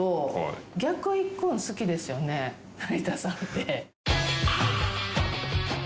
成田さんって。